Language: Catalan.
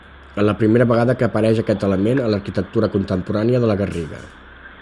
En la primera vegada que apareix aquest element a l'arquitectura contemporània de la Garriga.